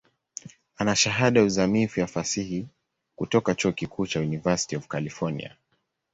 Ana Shahada ya uzamivu ya Fasihi kutoka chuo kikuu cha University of California.